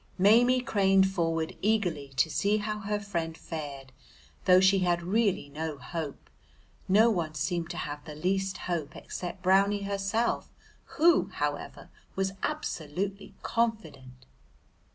Maimie craned forward eagerly to see how her friend fared, though she had really no hope; no one seemed to have the least hope except Brownie herself, who, however, was absolutely confident.